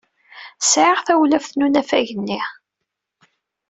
Sɛiɣ tawlaf n unafag-nni.